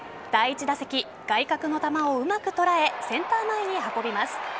第１打席、外角の球をうまく捉えセンター前に運びます。